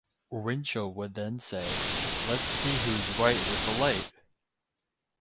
Winchell would then say, Let's see who's right with the light!